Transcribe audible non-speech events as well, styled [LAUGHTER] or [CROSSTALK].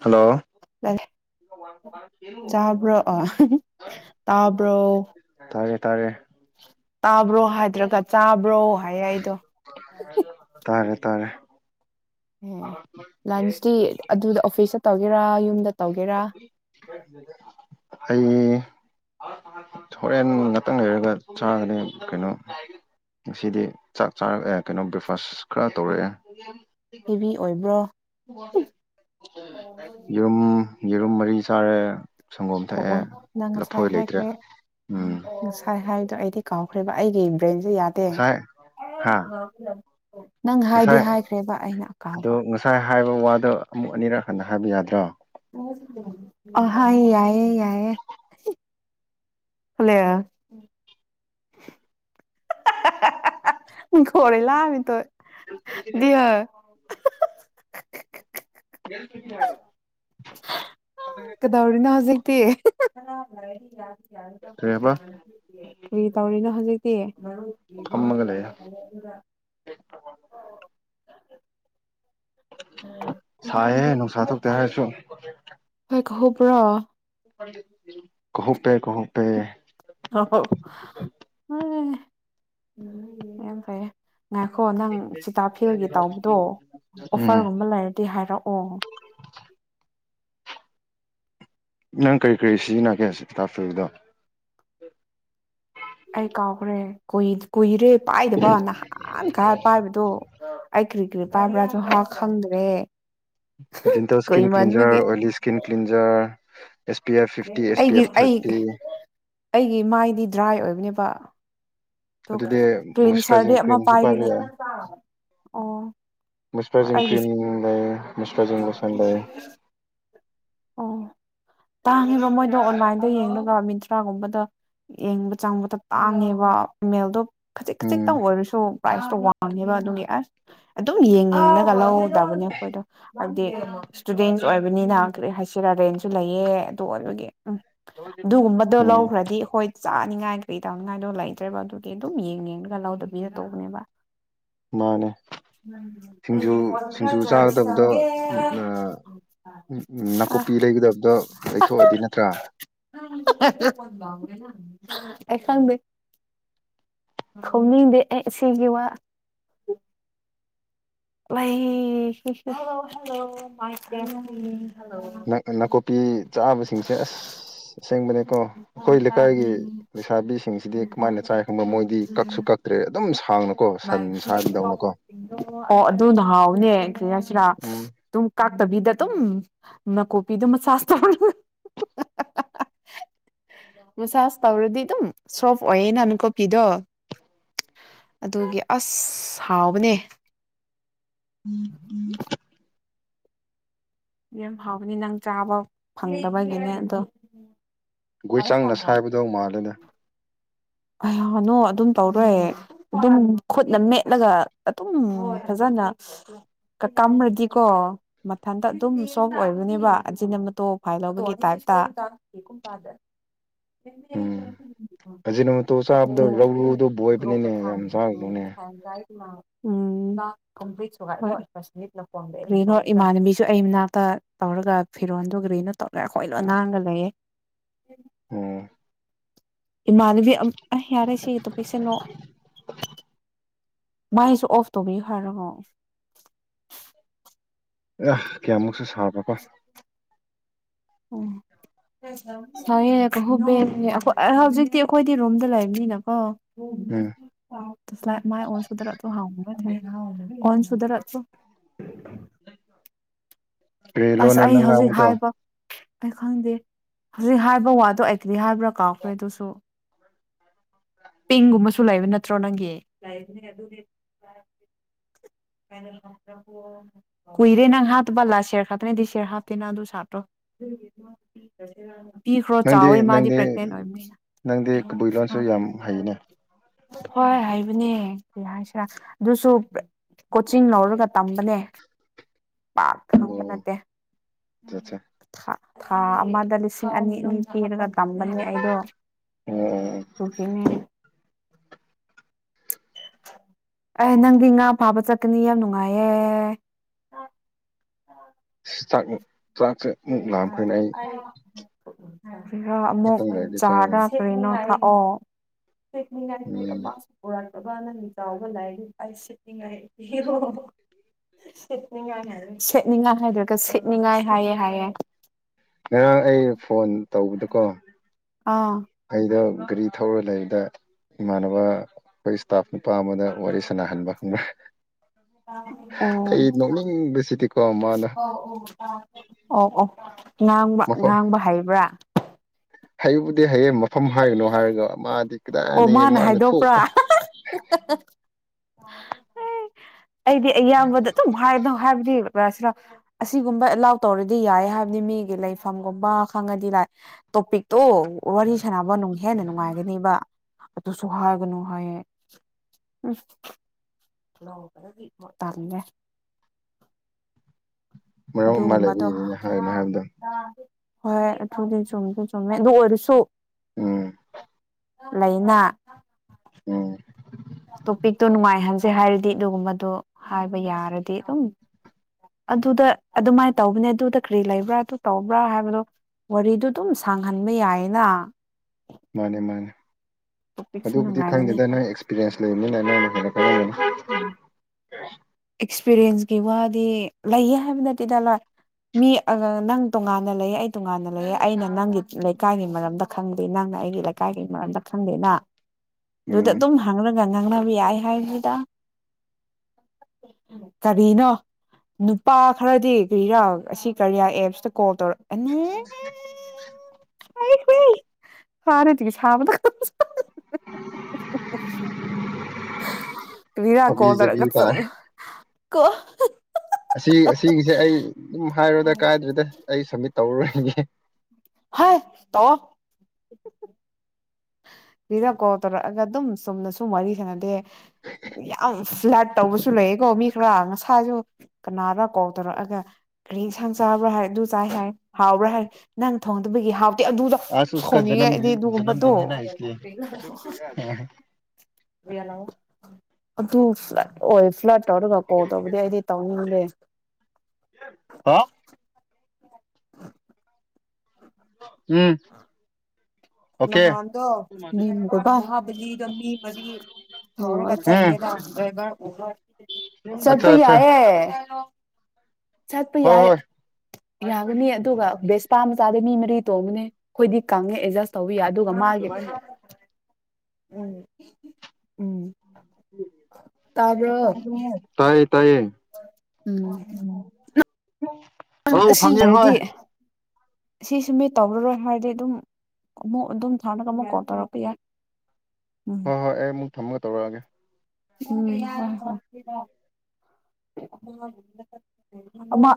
Hello ꯆꯥꯕ꯭ꯔꯣ ꯑꯥ ꯇꯥꯕ꯭ꯔꯣ ꯇꯥꯔꯦ ꯇꯥꯔꯦ ꯇꯥꯕ꯭ꯔꯣ ꯍꯥꯏꯗ꯭ꯔꯒ ꯆꯥꯕ꯭ꯔꯣ ꯍꯥꯏꯌꯦ ꯑꯩꯗꯣ ꯇꯥꯔꯦ ꯇꯥꯔꯦ [UNINTELLIGIBLE] ꯍꯝ ꯂꯟꯁꯗꯤ ꯑꯗꯨ ꯑꯣꯐꯤꯁꯇ ꯇꯧ ꯇꯧꯒꯦꯔꯥ ꯌꯨꯝꯗ ꯇꯧꯒꯦꯔꯥ ꯑꯩ ꯍꯣꯔꯦꯟ ꯉꯥꯛꯇꯪ ꯂꯩꯔꯒ ꯆꯥꯒꯅꯤ ꯀꯩꯅꯣ ꯉꯁꯤꯗꯤ ꯆꯥꯛ ꯆꯥꯔꯛꯑꯦ ꯀꯩꯅꯣ ꯕ꯭ꯔꯦꯛꯐꯥꯁ ꯈꯔ ꯇꯧꯔꯛꯑꯦ ꯍꯦꯚꯤ ꯑꯣꯏꯕ꯭ꯔꯣ ꯌꯦꯔꯨꯝ ꯌꯦꯔꯨꯝ ꯃꯔꯤ ꯆꯥꯔꯦ ꯁꯪꯒꯣꯝ ꯑꯣ ꯊꯛꯑꯦ ꯑꯣ ꯅꯪ ꯉꯁꯥꯏ ꯂꯐꯣꯏ ꯂꯩꯇ꯭ꯔꯦ ꯍꯥꯏꯈ꯭ꯔꯦ ꯎꯝ ꯉꯁꯥꯏ ꯍꯥꯏꯗꯣ ꯑꯩꯗꯤ ꯀꯥꯎꯈ꯭ꯔꯦꯕ ꯑꯩꯒꯤ ꯕ꯭ꯔꯦꯟꯁꯦ ꯌꯥꯗꯦ ꯉꯁꯥꯏ ꯍꯥ [UNINTELLIGIBLE] ꯅꯪ ꯍꯥꯏꯗꯤ ꯉꯁꯥꯏ ꯍꯥꯏꯈ꯭ꯔꯦꯕ ꯑꯩꯅ ꯑꯗꯣ ꯑꯀꯥꯎꯕ ꯉꯁꯥꯏ ꯍꯥꯏꯕ ꯋꯥꯗꯣ ꯑꯃꯨꯛ ꯑꯅꯤꯔꯛ ꯍꯟꯅ ꯍꯥꯏꯕ ꯌꯥꯗ꯭ꯔꯣ ꯑꯍꯥꯏ ꯌꯥꯏꯌꯦ ꯌꯥꯏꯌꯦ [UNINTELLIGIBLE] [UNINTELLIGIBLE] [UNINTELLIGIBLE] ꯀꯗꯧꯔꯤꯅꯣ ꯍꯧꯖꯤꯛꯇꯤ [UNINTELLIGIBLE] ꯀꯔꯤ ꯍꯥꯏꯕ ꯀꯔꯤ ꯇꯧꯔꯤꯅꯣ ꯍꯧꯖꯤꯛ [UNINTELLIGIBLE] ꯃꯔꯨꯞꯀꯤ ꯐꯝꯃꯒ ꯌꯨꯝꯁꯨꯂꯥꯏ ꯂꯩꯌꯦ ꯍꯥꯏꯔꯦ ꯑꯗꯨꯒ ꯁꯥꯏꯍꯦ ꯅꯨꯡꯁꯥ ꯊꯣꯛꯇꯦ ꯍꯥꯏꯁꯨ ꯀꯥꯍꯧꯕ꯭ꯔꯣ ꯀꯍꯣꯄꯦ ꯀꯍꯨꯝꯄꯦ ꯎꯝ ꯌꯥꯝ ꯐꯩꯌꯦ ꯉꯥꯏꯈꯣ ꯅꯪ ꯁꯤꯇꯥꯐꯤꯜꯒꯤ ꯇꯧꯕꯗꯣ ꯎꯝ ꯑꯣꯐꯔꯒꯨꯝꯕ ꯂꯩꯔꯗꯤ ꯍꯥꯏꯔꯛ ꯑꯣ [INAUDIBLE] ꯅꯪ ꯀꯔꯤ ꯀꯔꯤ ꯁꯤꯖꯤꯟꯅꯒꯦ ꯍꯧꯖꯤ ꯀꯇꯥ ꯐꯤꯕꯗꯣ ꯑꯩ ꯀꯥꯎ꯭ꯔꯦꯣꯏ ꯀꯏꯔꯦ ꯄꯥꯏꯗꯕ ꯅꯍꯥꯟ ꯈꯥꯏ ꯄꯥꯏꯕꯗꯣ ꯑꯩ ꯀ꯭ꯔꯤ ꯀ꯭ꯔꯤ ꯄꯥꯏꯕ꯭ꯔꯥꯁꯨ ꯍꯥ ꯈꯪꯗ꯭ꯔꯦ ꯖꯤꯟꯇꯦꯜ ꯁ ꯏꯁꯀꯤꯟ ꯀ꯭ꯂꯤꯟꯖꯔ ꯀꯨꯏꯃꯟꯕꯒꯤ ꯑꯣꯏꯂꯤ skin cleanser S P F fifty S P ꯑꯩꯒꯤ ꯑꯦꯐ ꯑꯩ ꯊꯥꯔꯇꯤ ꯑꯩꯒꯤ ꯃꯥꯏꯗꯤ ꯗ꯭ꯔꯥꯏ ꯑꯣꯏꯕꯅꯦꯕ ꯋꯥ ꯑꯗꯨꯗꯤ ꯀ꯭ꯂꯤꯟ ꯁꯥꯔꯗꯤ ꯃꯣꯏꯆꯔꯥꯏꯖꯤꯡ ꯑꯃ ꯀ꯭ꯔꯤꯝꯁꯨ ꯄꯥꯏꯕ ꯄꯥꯏꯕꯅꯦ ꯌꯥꯏ ꯑꯣ ꯍꯣꯏ ꯃꯩꯁꯄꯥꯥꯖꯤꯡ ꯀ꯭ꯔꯤ ꯑꯩꯒꯤ ꯃꯁꯀꯔꯁꯤꯡꯒꯁꯟ ꯂꯩ ꯑꯣ ꯇꯥꯡꯉꯦꯕ ꯃꯣꯏꯗꯣ ꯑꯣꯟꯂꯥꯏꯟꯗ ꯌꯦꯡꯉꯒ ꯃꯤꯟꯇ꯭ꯔꯥꯒꯨꯝꯕꯗ ꯌꯦꯡꯕ ꯆꯪꯕꯗ ꯇꯥꯡꯉꯦꯕ ꯏꯃꯦꯜꯗꯣ ꯈꯖꯤꯛ ꯎꯝ ꯈꯖꯤꯛꯇꯪ ꯑꯣꯏꯔꯁꯨ ꯄ꯭ꯔꯥꯏꯖꯇꯣ ꯋꯥꯡꯉꯦꯕ ꯑꯗꯨꯒꯤ ꯑꯁ ꯑꯗꯨꯝ ꯌꯦꯡꯉꯦꯅꯒ ꯂꯧꯒꯗꯕꯅꯦ ꯑꯩꯈꯣꯏꯗꯣ ꯍꯥꯏꯕꯗꯤ ꯏꯁꯇꯨꯗꯦꯟꯁ ꯑꯣꯏꯕꯅꯤꯅ ꯀ ꯍꯥꯏꯁꯤꯔꯥꯔꯦꯟꯁꯨ ꯂꯩꯑꯌꯦ ꯑꯗꯨ ꯑꯣꯏꯔꯣꯏꯒꯤ ꯎꯝ ꯑꯗꯨꯒꯨꯝꯕꯗꯣ ꯎꯝ ꯂꯧꯈ꯭ꯔꯗꯤ ꯍꯣꯏ ꯆꯥꯅꯤꯉꯥꯏ ꯀꯩ ꯇꯧꯅꯤꯉꯥꯏꯗꯣ ꯂꯩꯇ꯭ꯔꯕ ꯑꯗꯨꯒꯤ ꯑꯗꯨꯝ ꯌꯦꯡ ꯌꯦꯡꯒ ꯂꯧꯗꯕ ꯃꯤꯅ ꯇꯧꯕꯅꯦꯕ ꯃꯥꯅꯦ ꯁꯤꯡꯖꯨ ꯑꯩ ꯐꯊ ꯁꯤꯡꯖꯨ ꯆꯥ ꯁꯦ ꯆꯥꯒꯗꯕꯗꯣ ꯎ ꯅꯥꯀꯨꯞꯄꯤ ꯂꯩꯒꯗꯕꯗꯣ ꯂꯩꯊꯣꯛꯑꯗꯤ ꯅꯠꯇ꯭ꯔꯥ ꯑꯩ ꯈꯪꯗꯦ ꯈꯧꯅꯤꯡꯗꯦ ꯑꯦ ꯁꯤꯒꯤ ꯋꯥ ꯥꯏꯁꯨ ꯍ ꯍꯂꯣ ꯃꯥꯏ ꯀ ꯅꯥꯀꯨꯞꯄꯤ ꯆꯥꯕꯁꯤꯡꯁꯦ ꯑꯁ ꯑꯁꯦꯡꯕꯅꯦ ꯀꯣ ꯑꯩꯈꯣꯏ ꯂꯩꯀꯥꯏꯒꯤ ꯂꯩꯁꯥꯕꯤꯁꯤꯡꯁꯤꯗꯤ ꯀꯃꯥꯏꯅ ꯆꯥꯏ ꯈꯪꯕ ꯃꯣꯏꯗꯤ ꯀꯛꯁꯨ ꯀꯛꯇ꯭ꯔꯦ ꯑꯗꯣ ꯑꯣ ꯑꯗꯨ ꯅꯍꯥꯎꯅꯦ ꯦꯁꯤꯔꯥ ꯎꯝ ꯇꯨꯝ ꯀꯥꯛꯇꯕꯤꯗ ꯇꯨꯝ ꯅꯥꯀꯣꯄꯤꯗꯣ ꯃꯆꯥꯥꯖ ꯇꯧꯔ ꯃꯆꯥꯖ ꯇꯧꯔꯗꯤ ꯑꯗꯨꯝ ꯁꯣꯐ ꯑꯣꯏꯌꯦ ꯅ ꯅꯥꯀꯣꯄꯤꯗꯣ ꯑꯗꯨꯒꯤ ꯑꯁ ꯍꯥꯎꯕꯅꯦ ꯎꯝ ꯎꯝ ꯌꯥꯝ ꯍꯥꯎꯕꯅꯤ ꯅꯪ ꯆꯥꯕ ꯐꯪꯗꯕꯒꯤꯅꯦ ꯑꯗꯣ ꯒꯣꯏ ꯆꯪꯅ ꯁꯥꯏꯕꯗꯧ ꯃꯥꯜꯂꯦꯅꯦ ꯍꯅꯨ ꯑꯗꯨꯝ ꯇꯧꯔꯣꯏ ꯑꯗꯨꯝ ꯈꯨꯠꯅ ꯃꯦꯠꯂꯒ ꯑꯗꯨꯝ ꯐꯖꯅ ꯀꯥꯝ꯭ꯔꯗꯤꯀꯣ ꯃꯊꯟꯇ ꯑꯗꯨꯝ ꯁꯣꯐ ꯑꯣꯏꯕꯅꯦꯕ ꯑꯁꯤꯆꯅ ꯃꯇꯣ ꯐꯥꯏ ꯂꯧꯕꯒꯤ ꯇꯥꯏꯞꯇ ꯣ ꯆꯥꯕꯗꯣ ꯔꯧꯔꯨꯗꯣ ꯕꯣꯏꯕꯅꯤꯅꯦ ꯌꯥꯝ ꯆꯥꯕꯅꯦ ꯏꯃꯥꯟꯅꯕꯤꯁꯨ ꯑꯩ ꯃꯅꯥꯛꯇ ꯇꯧꯔꯒ ꯐꯤꯔꯣꯟꯜꯗꯨꯔꯤꯅꯣ ꯇꯧꯔꯦ ꯑꯩꯈꯣꯏ ꯂꯣꯏꯅꯥꯥꯡꯉ ꯂꯩꯌꯦ ꯑꯝ ꯏꯃꯥꯟꯅꯕꯤ ꯑ ꯌꯥꯔꯦ ꯁꯤ ꯇꯣꯄꯤꯁꯅꯣ ꯃꯥꯏꯁꯨ ꯑꯣꯐ ꯇꯧꯕꯤꯌꯨ ꯍꯥꯏꯔꯔꯕꯣ ꯑ ꯀꯌꯥꯃꯨꯛꯁꯨ ꯁꯥꯕꯀꯣ ꯑꯣ ꯁꯉꯦꯨꯝꯃꯦ ꯑꯩꯣꯏ ꯍꯧꯖꯤꯛꯇꯤ ꯑꯩꯈꯣꯏꯗꯤ ꯔꯨꯝꯗ ꯂꯩꯕꯅꯤꯅꯀꯣ ꯎꯝ ꯥꯎ ꯐ꯭ꯂꯥꯏ ꯑꯣꯟꯁꯨꯗ ꯔ꯭ꯔꯣ ꯍꯥꯎꯕ ꯑꯣꯟꯁꯨꯗ ꯔ꯭ꯔꯣ ꯄ ꯂꯣꯅ ꯅꯪꯒꯥꯥ ꯑꯃꯨꯗ ꯍꯥꯏꯕ ꯑꯩ ꯈꯪꯗꯦ ꯍꯧꯖꯤꯛ ꯍꯥꯏꯕ ꯋꯥꯗꯣ ꯑꯩꯒꯗꯤ ꯍꯥꯏꯕ꯭ꯔꯥ ꯀꯥꯎꯈ꯭ꯔꯦ ꯑꯗꯨꯁꯨ ꯄꯤꯡꯒꯨꯝꯕꯁꯨ ꯂꯩꯕ ꯅꯠꯇ꯭ꯔꯣ ꯅꯪꯒꯤ ꯀꯨꯏꯔꯦ ꯅꯪ ꯍꯥꯞꯇꯕꯜꯂꯥ ꯁꯦꯌꯔ ꯈꯠꯇ꯭ꯔꯦꯗꯤ ꯁꯦꯌꯔ ꯍꯥꯞꯇꯦ ꯅꯪ ꯑꯗꯨ ꯁꯥꯠꯇ꯭ꯔꯣ ꯄꯤꯈ꯭ꯔꯣ ꯅꯪꯗꯤ ꯆꯥꯎꯋꯦ ꯃꯥꯗꯤ ꯅꯪꯗꯤ ꯄ꯭ꯔꯦꯒꯅꯦꯟ ꯑꯣꯏꯕꯅꯤꯅ ꯅꯪꯗꯤ ꯀꯕꯨꯏ ꯂꯣꯟꯁꯨ ꯌꯥꯝ ꯍꯩꯅꯦ ꯍꯣꯏ ꯍꯥꯏꯁꯤꯔꯥ ꯑꯗꯨꯁꯨ ꯀꯣꯆꯤꯡ ꯂꯧꯔꯒ ꯇꯝꯕꯅꯦ ꯄꯥꯛꯇ ꯑꯣ ꯉꯝꯕ ꯅꯠꯇꯦ ꯑꯠꯆꯥ ꯑꯠꯆꯥ ꯊꯥ ꯑꯃꯗ ꯂꯤꯁꯤꯡ ꯑꯅꯤ ꯑꯅꯤ ꯄꯤꯔꯒ ꯇꯝꯕꯅꯦ ꯑꯩꯗꯣ ꯑꯣ ꯑꯣ ꯑꯣ ꯆꯨꯈꯤꯉ ꯑꯦ ꯅꯪꯗꯤ ꯉꯥ ꯐꯥꯕ ꯆꯠꯀꯅꯤ ꯌꯥꯝ ꯅꯨꯡꯉꯥꯏꯌꯦ [INAUDIBLE] ꯆꯥꯛꯁꯦ ꯃꯨꯛ ꯂꯈꯅ ꯑꯩ ꯑꯣ ꯈꯔ ꯑꯃꯨꯛ ꯉꯥꯛꯇꯪ ꯂꯩꯔꯗꯤ ꯆꯥꯔꯅꯤ ꯆꯥꯔ ꯀꯔꯤꯅꯣꯗ ꯑꯣ ꯄꯦꯛ ꯎꯝ ꯃꯥꯁꯔ ꯕꯕꯥ ꯅꯪ ꯆꯥꯎꯒ ꯂꯥꯏꯔꯤꯛ ꯑꯩ ꯁꯤꯠꯅꯤꯡꯉꯥꯏ ꯍ ꯍ ꯁꯤꯠꯅꯤꯡꯉꯥꯏ ꯍꯥꯏ ꯁꯦꯠꯅꯤꯡꯉꯥꯏ ꯍꯥꯏꯗ꯭ꯔꯒ ꯁꯦꯠꯅꯤꯡꯉꯥꯏ ꯍꯥꯏꯌꯦ ꯍꯥꯏꯌꯦꯦ ꯉꯥꯡ ꯑꯩ ꯐꯣꯟ ꯇꯧꯕꯗꯀꯣ ꯑꯥ ꯑꯩꯗ ꯒꯥꯔꯤ ꯊꯧꯔ ꯂꯩꯕꯗ ꯏꯃꯥꯟꯅꯕ ꯑꯩꯈꯣꯏ ꯏꯁꯇꯥꯐ ꯅꯨꯄꯥ ꯑꯃꯗ ꯋꯥꯔꯤ ꯁꯥꯟꯅꯍꯟꯕ ꯈꯕ ꯑꯣ ꯅꯣꯛꯅꯤꯡꯕꯁꯤꯗꯤꯀꯣ ꯃꯥꯅ ꯑꯣ ꯑꯣ ꯉꯥꯡꯕ ꯉꯥꯡꯕ ꯍꯩꯕ꯭ꯔꯥ ꯍꯌꯦꯨꯕꯨꯨꯗꯤ ꯍꯌꯦꯡ ꯃꯐꯝ ꯍꯥꯏꯒꯅꯣ ꯍꯥꯏꯔꯒ ꯃꯥꯗꯤ ꯑꯣ ꯀꯗꯥꯏꯅꯤ ꯃꯥꯅ ꯊꯣꯛꯎ ꯍꯥꯏꯗꯣꯛꯄ꯭ꯔꯥ ꯑꯦ ꯑꯩꯗꯤ ꯑꯌꯥꯝꯕꯗ ꯑꯗꯨꯝ ꯍꯥꯏꯅꯣ ꯍꯥꯏꯕꯗꯤꯁꯤꯔ ꯑꯁꯤꯒꯨꯝꯕ ꯑꯦꯂꯥꯎ ꯇꯧꯔꯗꯤ ꯌꯥꯏ ꯍꯥꯏꯕꯅꯤ ꯃꯤꯒꯤ ꯂꯩꯐꯝꯒꯨꯝꯕ ꯈꯪꯉꯗꯤ ꯂꯥꯛ ꯇꯣꯄꯤꯛꯇꯣ ꯋꯥꯔꯤ ꯁꯥꯟꯅꯕ ꯅꯨꯡ ꯍꯦꯟꯅ ꯅꯨꯡꯉꯥꯏꯒꯅꯦꯕ ꯑꯗꯨꯁꯨ ꯍꯥꯏꯒꯅꯨ ꯍꯥꯏꯌꯦ ꯎꯝ ꯃꯔꯝ ꯑꯃ ꯑꯗꯨꯒꯨꯝꯕꯗꯣ ꯂꯩꯕꯤꯔꯤꯅꯤꯅ ꯍꯥꯏꯅꯣ ꯍꯥꯏꯕꯗ ꯍꯣꯏ ꯑꯗꯨꯨꯗꯤ ꯆꯨꯝꯗꯦ ꯆꯨꯝꯃꯦ ꯑꯗꯨ ꯑꯣꯏꯔꯁꯨ ꯎꯝ ꯂꯩꯥꯏꯅꯥ ꯎꯝ ꯇꯣꯄꯤꯛꯇꯣ ꯅꯨꯡꯉꯥꯏꯍꯟꯁꯦ ꯍꯥꯏꯔꯗꯤ ꯑꯗꯨꯒꯨꯝꯕꯗꯣ ꯍꯥꯏꯕ ꯌꯥꯔꯗꯤ ꯑꯗꯨꯝ ꯑꯗꯨꯗ ꯑꯗꯨꯃꯥꯏꯅ ꯇꯧꯕꯅꯦ ꯑꯗꯨꯗ ꯀꯔꯤ ꯂꯩꯕ꯭ꯔꯥ ꯑꯗꯨ ꯇꯧꯕ꯭ꯔꯥ ꯍꯥꯏꯕꯗꯣ ꯋꯥꯔꯤꯗꯨ ꯑꯗꯨꯝ ꯁꯥꯡꯍꯟꯕ ꯌꯥꯏꯌꯦꯅ ꯃꯥꯅꯦ ꯃꯥꯅꯦ ꯇꯣꯄꯤꯛꯁꯨ ꯑꯗꯨꯕꯨꯗꯤ ꯅꯨꯡꯉꯥꯏꯒꯅꯤ ꯈꯡꯗꯦꯗ ꯅꯣꯏ ꯑꯦꯛꯁꯄꯤꯔꯤꯌꯦꯟꯁ ꯂꯩꯕꯅꯤꯅ ꯅꯣꯏꯅ ꯍꯂꯛꯄ [UNINTELLIGIBLE] ꯑꯣ ꯑꯦꯛꯁꯄꯤꯔꯤꯌꯦꯟꯁꯀꯤ ꯋꯥꯗꯤ ꯂꯩꯌꯦ ꯍꯥꯏꯕ ꯅꯠꯇꯦꯗ ꯂꯣꯏ ꯃꯤ ꯅꯪ ꯇꯣꯉꯥꯟꯅ ꯂꯩ ꯑꯩ ꯇꯣꯉꯥꯟꯅ ꯂꯩꯌꯦ ꯑꯩꯅ ꯅꯡꯒꯤ ꯂꯩꯀꯥꯏꯒꯤ ꯃꯔꯝꯗ ꯈꯡꯗꯦ ꯅꯡꯅ ꯑꯩꯒꯤ ꯂꯩꯀꯥꯏꯒꯤ ꯃꯔꯝꯗ ꯈꯡꯗꯦꯅ ꯑꯗꯨꯗꯥ ꯎꯝ ꯑꯗꯨꯝ ꯍꯡꯔꯥ ꯉ ꯉꯥꯡꯅꯕ ꯌꯥꯏ ꯍꯥꯏꯕꯗ ꯀꯔꯤꯅꯣ ꯅꯨꯄꯥ ꯈꯔꯗꯤ ꯀꯔꯤꯔꯥ ꯑꯁꯤ ꯀꯔꯤꯌꯥ ꯑꯦꯞꯁꯇ ꯀꯣꯜ ꯇꯧꯔꯛ ꯑꯅꯤ [UNINTELLIGIBLE] ꯁꯥꯕꯗ ꯀꯔꯤꯔ ꯍꯥꯕꯤ ꯖꯕꯤ ꯀꯣꯜꯖꯔꯒ ꯆ ꯇꯥꯔꯦ ꯀꯦ ꯑꯁꯤ ꯑꯁꯤꯒꯤꯁꯦ ꯑꯩ ꯑꯗꯨꯝ ꯍꯥꯏꯔꯨꯗ ꯀꯥꯏꯗ꯭ꯔꯗ ꯑꯩ ꯁꯝꯃꯤꯠ ꯇꯧꯔꯣꯏꯒꯦ ꯍꯥ ꯇꯧ ꯑꯣ ꯎ [INAUDIBLE] ꯁꯤꯗ ꯀꯣꯜ ꯇꯧꯔꯛꯑꯒ ꯑꯗꯨꯝ ꯆꯨꯝꯅ ꯁꯨꯝ ꯋꯥꯔꯤ ꯁꯥꯟꯅꯗꯦ ꯌꯥꯝ ꯐꯥꯔꯠ ꯇꯧꯕꯁꯨ ꯂꯩꯌꯦꯀꯣ ꯃꯤ ꯈꯔ ꯉꯁꯥꯏꯁꯨ ꯀꯅꯥꯅ ꯀꯣꯜ ꯇꯧꯔꯛꯑꯒ ꯀꯔꯤ ꯏꯟꯁꯥꯡ ꯆꯥꯕ꯭ꯔꯥ ꯍꯥꯏꯔ ꯑꯗꯨ ꯆꯥꯏ ꯍꯥꯏ ꯍꯥꯎꯕ꯭ꯔꯥ ꯍꯥꯏꯔ ꯅꯡ ꯊꯣꯡꯗꯕꯒꯤ ꯍꯥꯎ ꯑꯗꯨꯗ ꯁꯣꯡꯅꯤꯡꯉꯥꯏ ꯑꯩꯗꯤ ꯑꯗꯨꯒꯨꯝꯕꯗꯣ [UNINTELLIGIBLE] ꯑꯗꯨ ꯐ꯭ꯂ ꯑꯣꯏ ꯐ꯭ꯂ ꯇꯧꯔꯒ ꯀꯣꯜ ꯇꯧꯕꯗꯤ ꯑꯩꯗꯤ ꯇꯧꯅꯤꯡꯗꯦ ꯎꯝ ꯃꯍꯟꯗꯣ [UNINTELLIGIBLE] ꯄꯗꯤ ꯎꯝ ꯑꯠꯆꯥ ꯆꯠꯇꯏ ꯑꯠꯆꯥ ꯌꯥꯌꯦ ꯆꯠꯄ ꯍꯣꯏ ꯌꯥꯏ ꯍꯣꯏ ꯌꯥꯒꯅꯤ ꯑꯗꯨꯒ ꯕꯦꯁ ꯅꯨꯄꯥ ꯃꯆꯥꯗ ꯃꯤ ꯃꯔꯤ ꯇꯣꯡꯕꯅꯦ ꯑꯩꯈꯣꯏꯗꯤ ꯀꯉꯦ ꯑꯦꯗꯖꯁ ꯇꯧ ꯌꯦ ꯑꯗꯨꯒ ꯃꯥꯒꯤ ꯎꯝ ꯎꯝ ꯇꯥꯕ꯭ꯔꯣ ꯇꯥꯏ ꯇꯥꯏꯌꯦ꯫ ꯎꯝ ꯑꯩ ꯐꯪꯉꯦ ꯍꯣꯏ꯫ ꯁꯤꯁꯨ ꯃꯤ ꯇꯧꯔꯔꯣꯏ ꯍꯥꯏꯔꯗꯤ ꯑꯗꯨꯝ ꯑꯃꯨꯛ ꯑꯗꯨꯝ ꯊꯥꯔꯒ ꯑꯃꯨꯛ ꯀꯣꯜ ꯇꯧꯔꯛꯄ ꯌꯥꯏ꫰ ꯎꯝ ꯍꯣꯏ ꯍꯣꯏ ꯑꯩ ꯑꯃꯨꯛ ꯊꯝꯃꯒ ꯇꯧꯔꯛꯑꯒꯦ꯫ ꯎꯝ꯫